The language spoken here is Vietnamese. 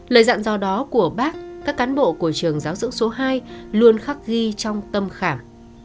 lời dặn do đó của bác các cán bộ của trường giáo dưỡng số hai luôn khắc ghi trong tâm khảm